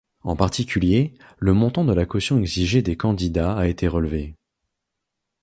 En particulier, le montant de la caution exigée des candidats a été relevé.